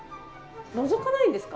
のぞかないんですか？